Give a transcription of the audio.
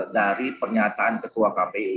dari pernyataan ketua kpu